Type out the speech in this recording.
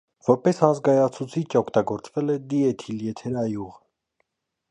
Որպես անզգայացուցիչ օգտագործվել է դիէթիլ եթերայուղ։